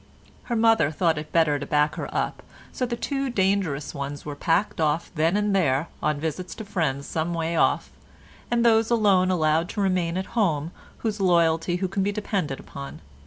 Her mother thought it better to back her up, so the two dangerous ones were packed off then and there on visits to friends some way off, and those alone allowed to remain at home whose loyalty could be depended upon.